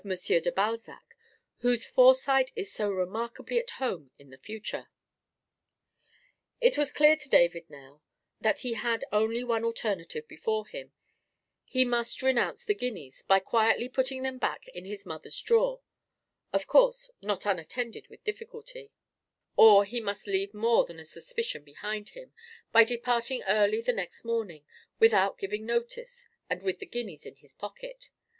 de Balzac, whose foresight is so remarkably at home in the future. It was clear to David now that he had only one alternative before him: he must either renounce the guineas, by quietly putting them back in his mother's drawer (a course not unattended with difficulty); or he must leave more than a suspicion behind him, by departing early the next morning without giving notice, and with the guineas in his pocket.